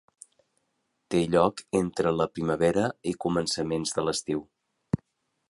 Té lloc entre la primavera i començaments de l'estiu.